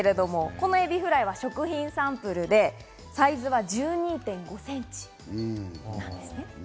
このエビフライは食品サンプルでサイズは１２．５センチなんです。